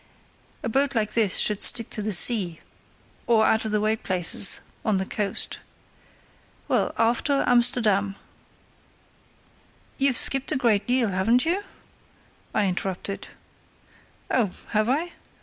A boat like this should stick to the sea, or out of the way places on the coast. Well, after Amsterdam." "You've skipped a good deal, haven't you?" I interrupted. "Oh! have I?